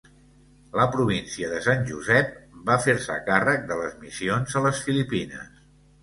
La província de Sant Josep va fer-se càrrec de les missions a les Filipines.